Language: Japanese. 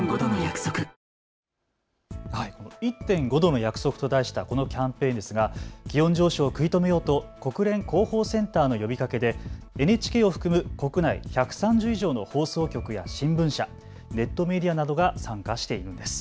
１．５℃の約束と題したこのキャンペーンですが気温上昇を食い止めようと国連広報センターの呼びかけでＮＨＫを含む国内１３０以上の放送局や新聞社、ネットメディアなどが参加しているんです。